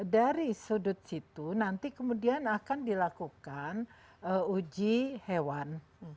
dari sudut situ nanti kemudian akan dilakukan uji hewan